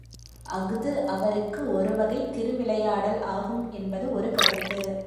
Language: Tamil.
அஃது அவருக்கு ஒருவகைத் திருவிளையாடல் ஆகும் என்பது ஒரு கருத்து.